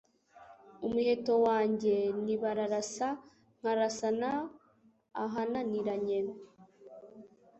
Umuheto wanjye ni BararasaNkarasana ahananiranye.